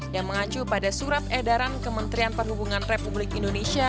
yang mengacu pada surat edaran kementerian perhubungan republik indonesia